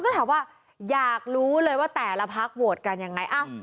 ก็ถามว่าอยากรู้เลยว่าแต่ละพักโหวตกันยังไง